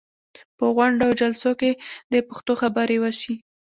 په غونډو او جلسو کې دې پښتو خبرې وشي.